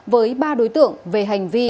với ba đối tượng về hành vi